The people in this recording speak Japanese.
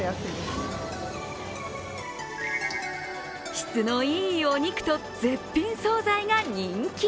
質のいいお肉と絶品総菜が人気。